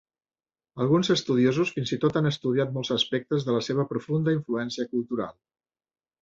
Alguns estudiosos fins i tot han estudiat molts aspectes de la seva profunda influència cultural.